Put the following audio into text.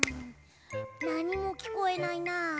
なにもきこえないな。